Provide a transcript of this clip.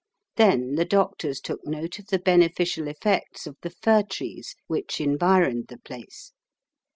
Then the doctors took note of the beneficial effects of the fir trees which environed the place.